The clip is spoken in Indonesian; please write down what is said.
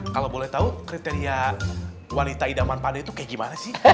kalau boleh tahu kriteria wanita idaman pada itu kayak gimana sih